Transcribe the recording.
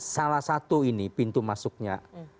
salah satu ini pintu masuknya